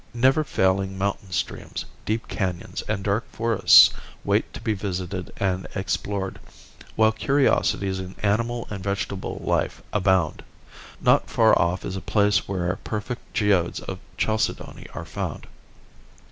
Never failing mountain streams, deep canons and dark forests wait to be visited and explored, while curiosities in animal and vegetable life abound. Not far off is a place here perfect geodes of chalcedony are found.